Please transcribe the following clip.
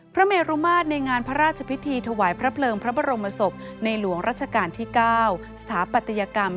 พระเมรุมาตรในงานพระราชพิธีถวายพระเพลิงพระบรมศพในหลวงรัชกาลที่๙สถาปัตยกรรม